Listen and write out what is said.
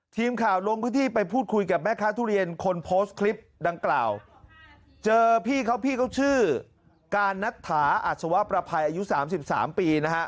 ทีมข่าวลงพื้นที่ไปพูดคุยกับแม่ค้าทุเรียนคนโพสต์คลิปดังกล่าวเจอพี่เขาพี่เขาชื่อการนัตถาอัศวะประภัยอายุ๓๓ปีนะฮะ